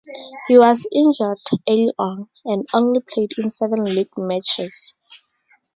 He was injured early on, and only played in seven league matches.